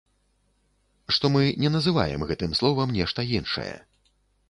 Што мы не называем гэтым словам нешта іншае.